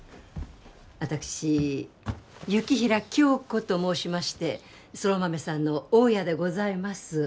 私雪平響子と申しまして空豆さんの大家でございます